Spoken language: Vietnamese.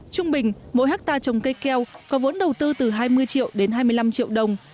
trung bình mỗi hectare trồng cây keo có vốn đầu tư từ hai mươi triệu đến hai mươi năm triệu đồng